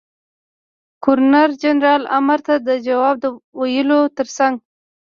ګورنر جنرال امر ته د جواب ویلو تر څنګ.